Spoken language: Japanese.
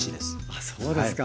あそうですか。